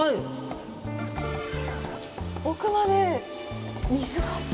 奥まで水が。